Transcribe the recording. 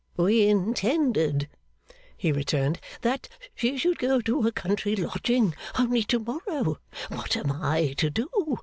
'We intended,' he returned, 'that she should go to a country lodging only to morrow. What am I to do!